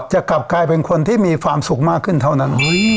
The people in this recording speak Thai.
จะกลับกลายเป็นคนที่มีความสุขมากขึ้นเท่านั้น